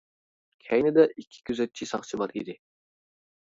كەينىدە ئىككى كۆزەتچى ساقچى بار ئىدى.